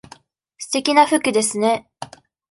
すてきな服ですね。